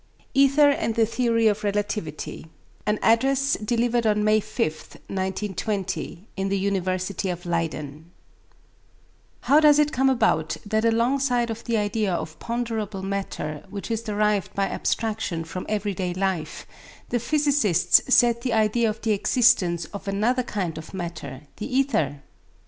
ETHER AND THE THEORY OF RELATIVITY An Address delivered on May 5th, 1920, in the University of Leyden How does it come about that alongside of the idea of ponderable matter, which is derived by abstraction from everyday life, the physicists set the idea of the existence of another kind of matter, the ether?